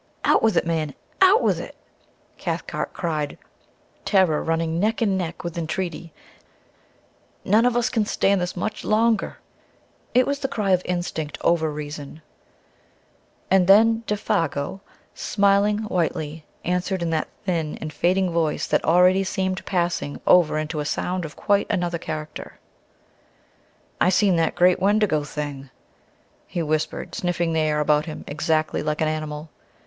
"Out with it, man, out with it!" Cathcart cried, terror running neck and neck with entreaty. "None of us can stand this much longer ...!" It was the cry of instinct over reason. And then "Défago," smiling whitely, answered in that thin and fading voice that already seemed passing over into a sound of quite another character "I seen that great Wendigo thing," he whispered, sniffing the air about him exactly like an animal.